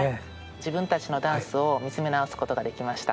自分たちのダンスを見つめ直すことができました。